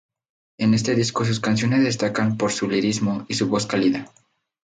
En este disco sus canciones destacan por su lirismo y su voz cálida.